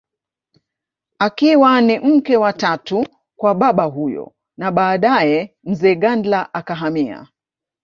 Akiwa ni mke wa tatu kwa baba huyo na badae mzee Gandla akahamia